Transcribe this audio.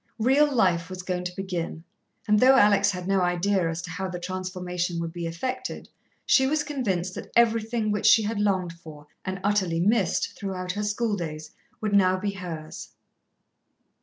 Real life was going to begin, and though Alex had no idea as to how the transformation would be effected, she was convinced that everything which she had longed for, and utterly missed, throughout her schooldays, would now be hers.